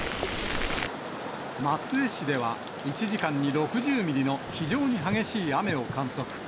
松江市では、１時間に６０ミリの非常に激しい雨を観測。